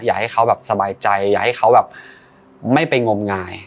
อยากให้เขาแบบสบายใจอย่าให้เขาแบบไม่ไปงมงาย